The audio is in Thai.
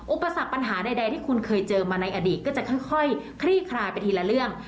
อุปสรรคปัญหาใดที่คุณเคยเจอมาในอดีตก็จะค่อยคลี่คลายไปทีละเรื่อง